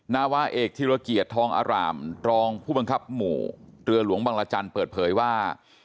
นาวาเอกธิรเกียรติทองอารามรองผู้บังคับหมู่เรือหลวงบังรจันทร์เปิดเผยว่า